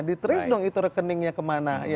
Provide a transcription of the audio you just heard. ditrace dong itu rekeningnya kemana